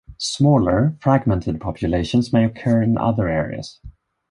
Smaller, fragmented populations may occur in other areas.